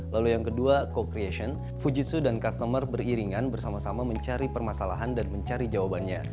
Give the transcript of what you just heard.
lalu yang kedua co creation fujitsu dan customer beriringan bersama sama mencari permasalahan dan mencari jawabannya